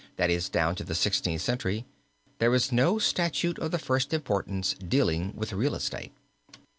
that is down to the Sixteenth Century, there is no statute of the first importance dealing with real estate.